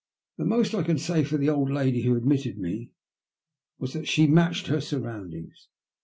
The most I can say for the old lady who admitted me is that she matched her surroundings.